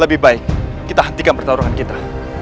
lebih baik kita hentikan pertarungan kita